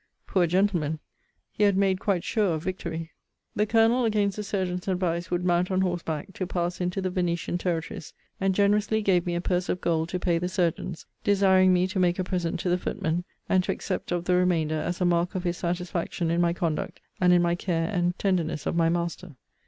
Poor gentleman! he had made quite sure of victory! The Colonel, against the surgeons' advice, would mount on horseback to pass into the Venetian territories; and generously gave me a purse of gold to pay the surgeons; desiring me to make a present to the footman; and to accept of the remainder, as a mark of his satisfaction in my conduct, and in my care and tenderness of my master.